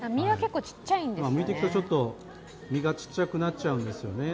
むいていくと、ちょっと身がちっちゃくなっちゃうんです。